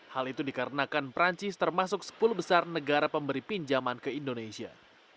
hal itu dikarenakan perancis termasuk sepuluh besar negara pemberi pinjaman ke indonesia